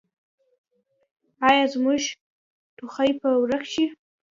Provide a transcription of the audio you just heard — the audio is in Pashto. ایا زما ټوخی به ورک شي؟